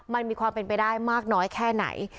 มันมีความเป็นไปได้มากน้อยแค่ไหน